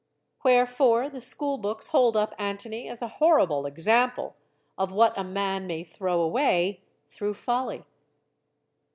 Where fore, the schoolbooks hold up Antony as a horrible example of what a man may throw away, through folly.